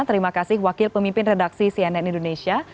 terima kasih wakil pemimpin redaksi cnn indonesia